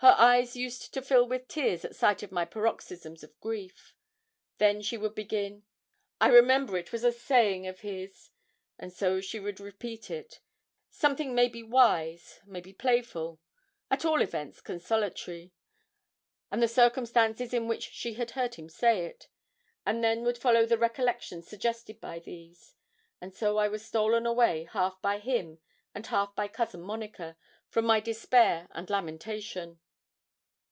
Her eyes used to fill with tears at sight of my paroxysms of grief. Then she would begin, 'I remember it was a saying of his,' and so she would repeat it something maybe wise, maybe playful, at all events consolatory and the circumstances in which she had heard him say it, and then would follow the recollections suggested by these; and so I was stolen away half by him, and half by Cousin Monica, from my despair and lamentation.